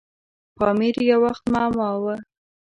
پامیر یو وخت معما وه.